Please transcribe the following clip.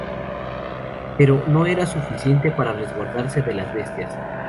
Pero no era suficiente para resguardarse de las bestias.